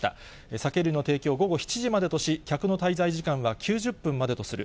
酒類の提供を午後７時までとし、客の滞在時間は９０分までとする。